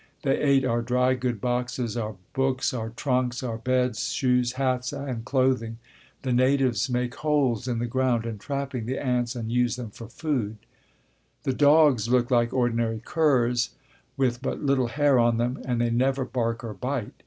They ate our dry goods boxes, our books, our trunks, our beds, shoes, hats and clothing. The natives make holes in the ground, entrapping the ants, and use them for food. The dogs look like ordinary curs, with but little hair on them, and they never bark or bite.